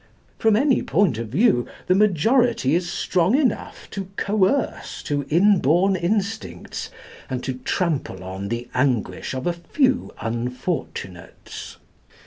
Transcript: From any point of view, the majority is strong enough to coerce to inborn instincts and to trample on the anguish of a few unfortunates.